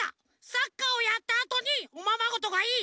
サッカーをやったあとにおままごとがいい！